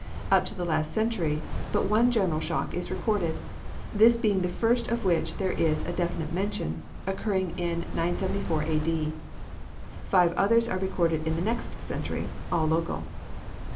Up to the last century but one general shock is recorded; this being the first of which there is definite mention, occurring in 974 A. D. Five others are recorded in the next century, all local.